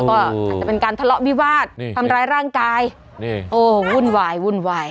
ก็อาจจะเป็นการทะเลาะวิวาสทำร้ายร่างกายนี่โอ้วุ่นวายวุ่นวาย